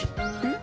ん？